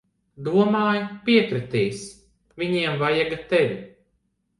Domāju, piekritīs. Viņiem vajag tevi.